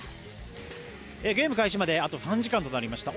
ゲーム開始まであと３時間となりました。